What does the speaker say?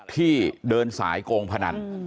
ที่เดินสายโกงพนัน